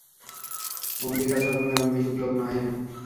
অম্বিকাচরণ তেমন মিশুক লোক নহেন।